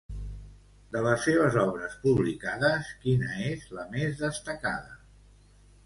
De les seves obres publicades, quina és la més destacada?